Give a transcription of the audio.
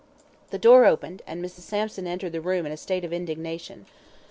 The door opened, and Mrs. Sampson entered the room in a state of indignation.